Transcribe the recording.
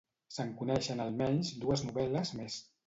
Se'n coneixen almenys dues novel·les més.